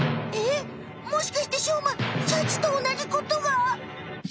もしかしてしょうまシャチと同じことが？